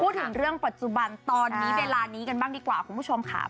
พูดถึงเรื่องปัจจุบันตอนนี้เวลานี้กันบ้างดีกว่าคุณผู้ชมค่ะ